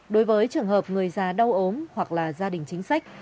đối với trường hợp người già đau ốm hoặc là gia đình chính sách